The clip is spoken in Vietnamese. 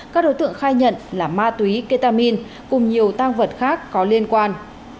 các đối tượng khai nhận là ma túy ketamin cùng nhiều tang vật khác có liên quan